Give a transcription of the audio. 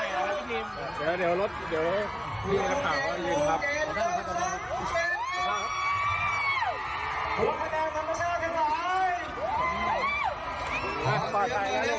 หัวขนาดธรรมดาเท่าไหร่